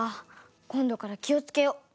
今度から気をつけよ！